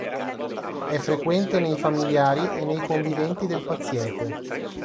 È frequente nei familiari e nei conviventi del paziente.